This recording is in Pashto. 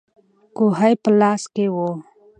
کوهی په لاس کې وو.